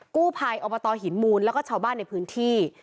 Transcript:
กู้ภัยอบตหินมูลแล้วก็ชาวบ้านในพื้นที่